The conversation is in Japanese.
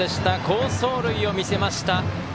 好走塁を見せました。